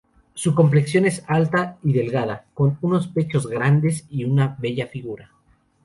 Su complexión es alta y delgada, con unos pechos grandes y una bella figura.